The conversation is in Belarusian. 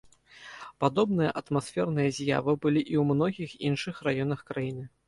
Падобныя атмасферныя з'явы былі і ў многіх іншых раёнах краіны.